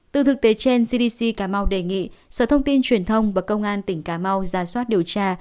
từ thực tế trên cdc cà mau đề nghị sở thông tin truyền thông và công an tỉnh cà mau ra soát điều tra